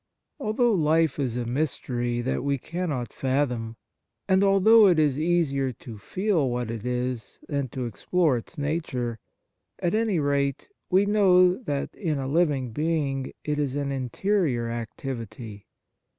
Although life is a mystery that we cannot fathom, and although it is easier to feel what it is than to explore its nature, at any rate we know that in a living being it is an interior activity.